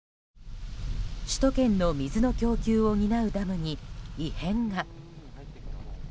首都圏の水の供給を担うダムに異変が。